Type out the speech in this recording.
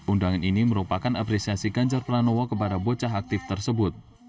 undangan ini merupakan apresiasi ganjar pranowo kepada bocah aktif tersebut